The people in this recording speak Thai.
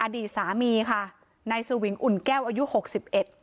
อดีตสามีค่ะนายสวิงอุ่นแก้วอายุหกสิบเอ็ด